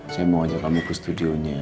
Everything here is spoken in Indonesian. saya mau ajak kamu ke studionya